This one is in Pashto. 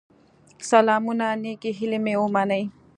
سلامونه نيکي هيلي مي ومنئ